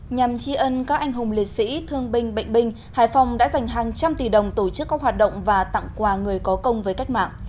nhằm chi ân các anh hùng liệt sĩ thương binh bệnh binh hải phòng đã dành hàng trăm tỷ đồng tổ chức các hoạt động và tặng quà người có công với cách mạng